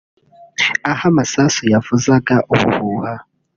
aho amasasu yavuzaga ubuhuha